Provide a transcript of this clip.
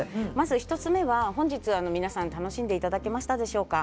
１つ目は本日、皆さん楽しんでいただけましたでしょうか。